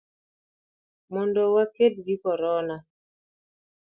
mondo waked gi Corona.